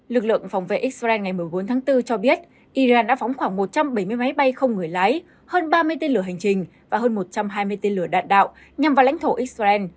lực lượng phòng vệ israel ngày một mươi bốn bốn cho biết iran đã phóng khoảng một trăm bảy mươi máy bay không người lái hơn ba mươi tên lửa hành trình và hơn một trăm hai mươi tên lửa